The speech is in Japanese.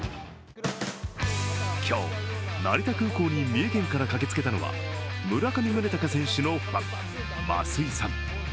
今日、成田空港に三重県から駆けつけたのは村上宗隆選手のファン、増井さん。